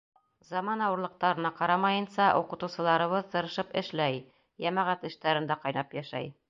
Заман ауырлыҡтарына ҡарамайынса, уҡытыусыларыбыҙ тырышып эшләй, йәмәғәт эштәрендә ҡайнап йәшәй.